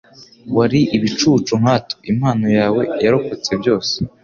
Wari ibicucu nkatwe; impano yawe yarokotse byose: